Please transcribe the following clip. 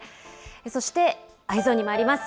そしてＥｙｅｓｏｎにまいります。